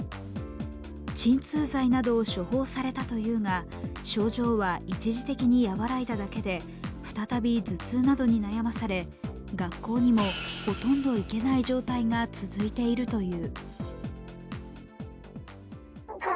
鎮痛剤などを処方されたというが症状は一時的に和らいだだけで再び頭痛などに悩まされ、学校にもほとんど行けない状態が続いているという。